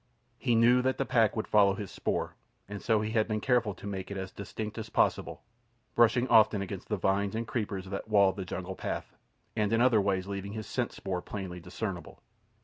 He knew that the pack would follow his spoor, and so he had been careful to make it as distinct as possible, brushing often against the vines and creepers that walled the jungle path, and in other ways leaving his scent spoor plainly discernible.